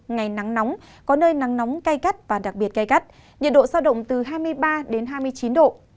ngày nắng nóng có nơi nắng nóng cay cắt và đặc biệt cay cắt nhiệt độ giao động từ hai mươi ba đến hai mươi chín độ